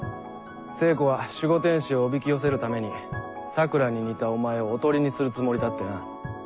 聖子は守護天使をおびき寄せるために桜に似たお前をおとりにするつもりだってな。